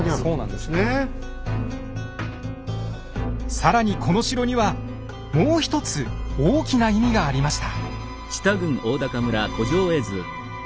更にこの城にはもう一つ大きな意味がありました。